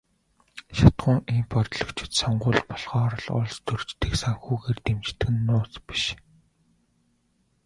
Шатахуун импортлогчид сонгууль болохоор л улстөрчдийг санхүүгээр дэмждэг нь нууц биш.